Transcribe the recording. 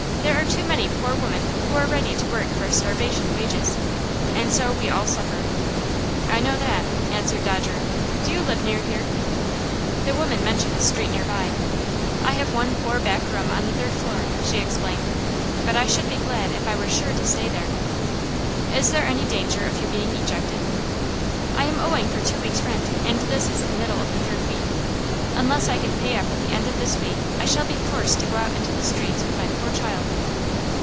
There are too many poor women who are ready to work for starvation wages, and so we all suffer." "I know that," answered Dodger. "Do you live near here?" The woman mentioned a street near by. "I have one poor back room on the third floor," she explained; "but I should be glad if I were sure to stay there." "Is there any danger of your being ejected?" "I am owing for two weeks' rent, and this is the middle of the third week. Unless I can pay up at the end of this week I shall be forced to go out into the streets with my poor child."